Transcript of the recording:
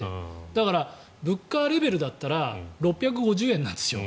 だから、物価レベルだったら６５０円なんですよ。